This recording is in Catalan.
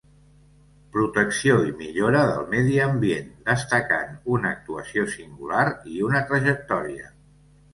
Protecció i millora del medi ambient, destacant una actuació singular i una trajectòria.